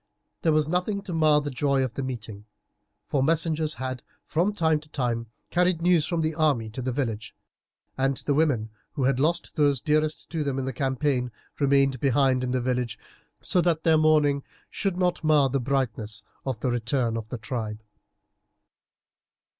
There was nothing to mar the joy of the meeting, for messengers had from time to time carried news from the army to the village, and the women who had lost those dearest to them in the campaign remained behind in the village, so that their mourning should not mar the brightness of the return of the tribe.